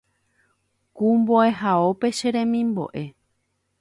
Ku mbo’ehaópe Che remimbo’e